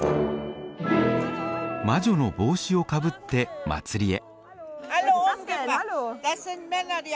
魔女の帽子をかぶって祭りへ。